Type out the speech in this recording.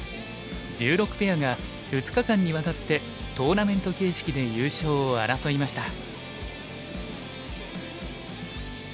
１６ペアが２日間にわたってトーナメント形式で優勝を争いました。